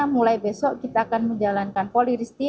mulai besok kita akan menjalankan polisti